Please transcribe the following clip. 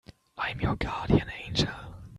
I'm your guardian angel.